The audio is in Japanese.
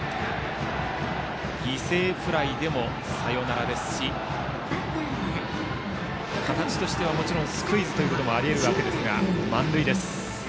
犠牲フライでもサヨナラですし形としてはスクイズもあり得るわけですが満塁です。